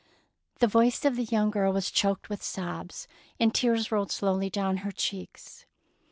The voice of the young girl was choked with sobs, and tears rolled slowly down her cheeks.